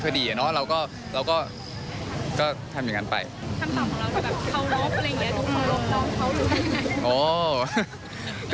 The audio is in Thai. คำถามของเราจะแบบเคารพอะไรอย่างนี้ต้องเคารพเคารพเคารพ